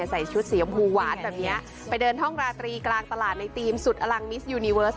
ใส่ชุดสีชมพูหวานแบบเนี้ยไปเดินห้องราตรีกลางตลาดในทีมสุดอลังมิสยูนิเวิร์ส